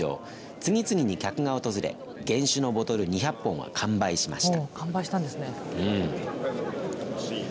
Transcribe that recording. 次々に客が訪れ原酒のボトル２００本は完売しました。